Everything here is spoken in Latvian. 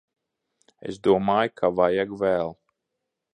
Es domāju ka vajag vēl.